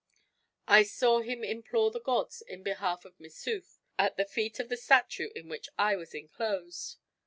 I saw him implore the gods in behalf of Missouf, at the feet of the statue in which I was inclosed.